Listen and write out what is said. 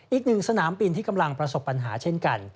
อีกหนึ่งสนามบินที่กำลังประสบปัญหาเช่นกัน